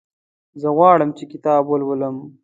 زه غواړم چې کتاب ولولم.